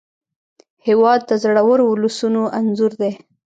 هېواد د زړورو ولسونو انځور دی.